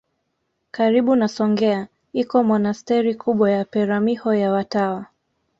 Karibu na Songea iko monasteri kubwa ya Peramiho ya watawa